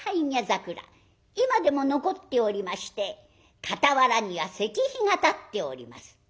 今でも残っておりまして傍らには石碑が立っております。